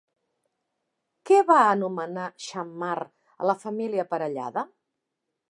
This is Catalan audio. Què va anomenar Xammar a la família Parellada?